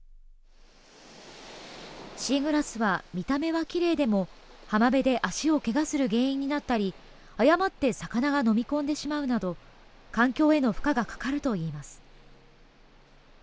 シーグラスは見た目はきれいでも浜辺で足をけがする原因になったり誤って魚がのみ込んでしまうなど環境への負荷がかかるといいます。